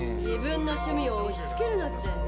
自分の趣味をおしつけるなって。